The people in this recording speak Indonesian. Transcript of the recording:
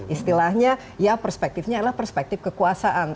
istilahnya ya perspektifnya adalah perspektif kekuasaan